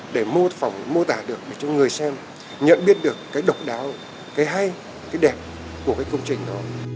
để mô tả được cho người xem nhận biết được cái độc đáo cái hay cái đẹp của công trình đó